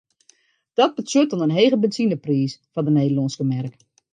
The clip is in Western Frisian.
Dat betsjut dan in hege benzinepriis foar de Nederlânske merk.